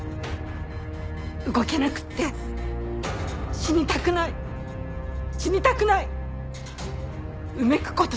動けなくって死にたくない死にたくないうめく事しかできませんでした。